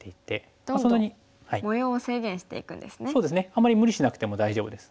あんまり無理しなくても大丈夫です。